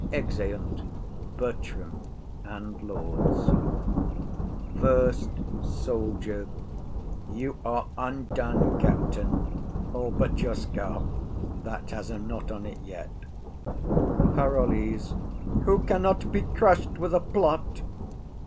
[Exeunt Bertram, Lords &c.] FIRST SOLDIER. You are undone, captain: all but your scarf; that has a knot on't yet. PAROLLES. Who cannot be crushed with a plot?